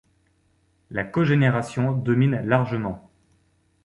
La cogénération domine largement.